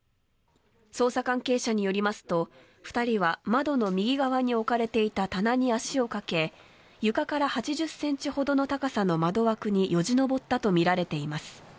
捜査関係者によりますと２人は窓の右側に置かれていた棚に足をかけ床から８０ｃｍほどの高さの窓枠によじ登ったとみられています。